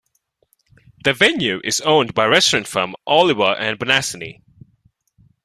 The venue is owned by restaurant firm Oliver and Bonacini.